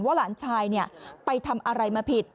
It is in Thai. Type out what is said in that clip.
หลานชายไปทำอะไรมาผิด